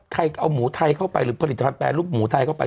เอาหมูไทยเข้าไปหรือผลิตภัณแปรรูปหมูไทยเข้าไป